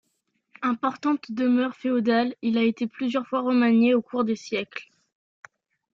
Importante demeure féodale, il a été plusieurs fois remanié au cours des siècles.